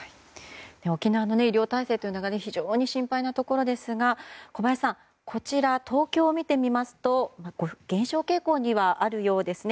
沖縄の医療体制が非常に心配なところですが小林さん、こちら東京を見てみますと減少傾向にはあるようですね。